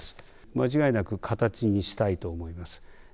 間違いなく、形にしたいと思います。